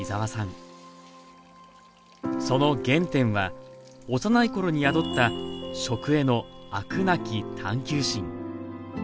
その原点は幼い頃に宿った食への飽くなき探求心。